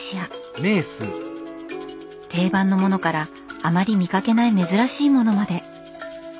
定番のものからあまり見かけない珍しいものまで。